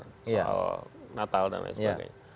soal natal dan lain sebagainya